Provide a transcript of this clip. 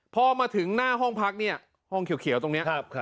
พอมาถึงหน้าห้องพักเนี่ยห้องเขียวตรงนี้